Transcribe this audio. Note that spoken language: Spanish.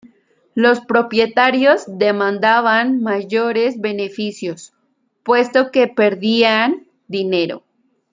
Los propietarios demandaban mayores beneficios, puesto que perdían dinero.